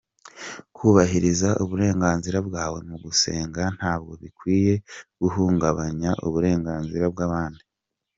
Kubahiriza uburenganzira bwawe mu gusenga ntabwo bikwiye guhungabanya uburenganzira bw’abandi.